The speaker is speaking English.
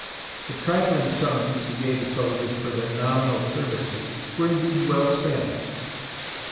The trifling sums he gave the soldiers for their nominal services were indeed well spent.